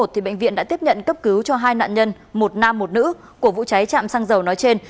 bệnh viện đã tiếp nhận cấp cứu cho hai nạn nhân một nam một nữ của vụ cháy chạm xăng dầu nói trên